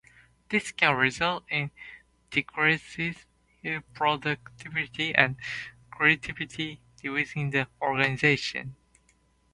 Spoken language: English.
This can result in decreased productivity and creativity within the organization.